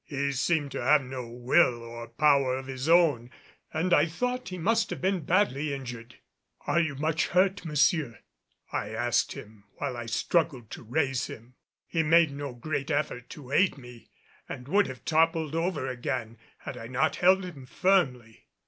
He seemed to have no will or power of his own and I thought he must have been badly injured. "Are you much hurt, monsieur?" I asked him while I struggled to raise him. He made no great effort to aid me and would have toppled over again had I not held him firmly.